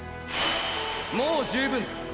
もう十分だ！